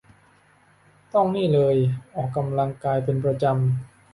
ต้องนี่เลยออกกำลังกายเป็นประจำ